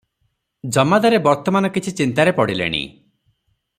ଜମାଦାରେ ବର୍ତ୍ତମାନ କିଛି ଚିନ୍ତାରେ ପଡ଼ିଲେଣି ।